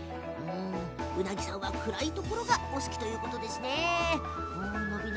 ウナギさん、暗いところがお好きということですね。